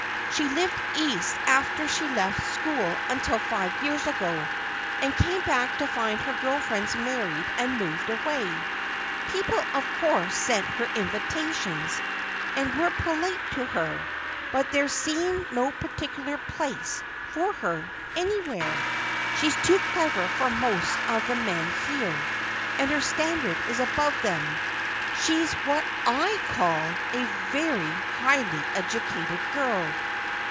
She lived East after she left school until five years ago, and came back to find her girl friends married and moved away. People, of course, sent her invitations, and were polite to her, but there seemed no particular place for her, anywhere. She's too clever for most of the men here, and her standard is above them. She's what I call a very highly educated girl."